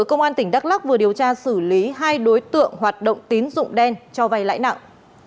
công an tỉnh đắk lắc vừa điều tra xử lý hai đối tượng hoạt động tín dụng đen cho vay lãi nặng